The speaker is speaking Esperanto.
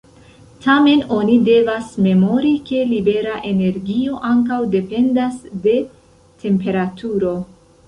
Tamen, oni devas memori ke libera energio ankaŭ dependas de temperaturo.